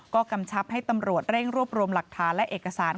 ก็กำชับให้ตำรวจเร่งรวบรวมหลักฐานและเอกสาร